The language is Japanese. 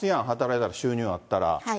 働いたら、収入あったら。